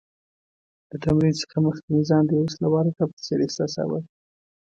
د تمرین څخه مخکې مې ځان د یو وسله وال غله په څېر احساساوه.